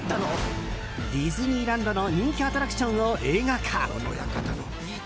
ディズニーランドの人気アトラクションを映画化。